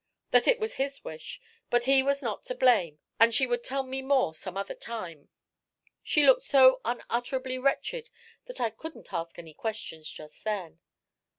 "That it was his wish, but he was not to blame, and she would tell me more some other time. She looked so unutterably wretched that I couldn't ask any questions just then."